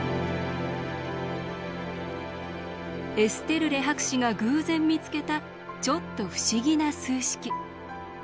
エステルレ博士が偶然見つけたちょっと不思議な数式。